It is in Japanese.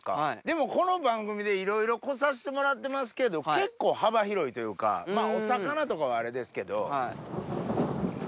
でもこの番組でいろいろ来させてもらってますけど結構幅広いというかまぁお魚とかはあれですけど。